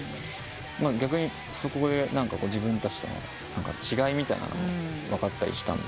逆にそこで自分たちとの違いみたいなもの分かったりしたんですけど。